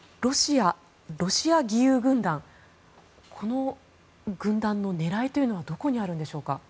ロシア義勇軍団この軍団の狙いというのはどこにあるんでしょうか。